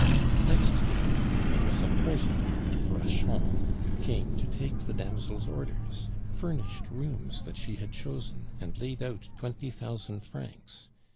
Next day a famous upholsterer, Braschon, came to take the damsel's orders, furnished rooms that she had chosen, and laid out twenty thousand francs.